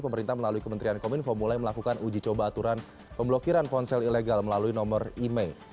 pemerintah melalui kementerian kominfo mulai melakukan uji coba aturan pemblokiran ponsel ilegal melalui nomor imei